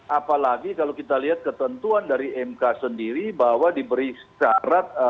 apalagi kalau kita lihat ketentuan dari mk sendiri bahwa diberi syarat